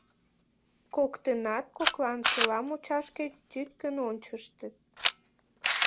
Коктынат коклан села мучашке тӱткын ончыштыт.